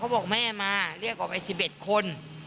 บอกแม่มาเรียกออกไป๑๑คน